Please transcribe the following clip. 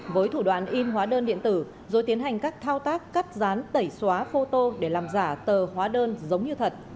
với thủ đoàn in hóa đơn điện tử rồi tiến hành các thao tác cắt rán tẩy xóa photo để làm giả tờ hóa đơn giống như thật